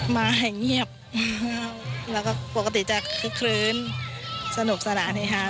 มาให้เงียบแล้วก็ปกติจะคึกคลื้นสนุกสนานเฮฮา